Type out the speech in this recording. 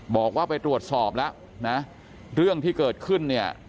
บอกว่าไปตรวจสอบแล้วนะเรื่องที่เกิดขึ้นเนี่ย